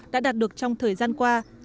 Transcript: đã đạt được trong thời gian qua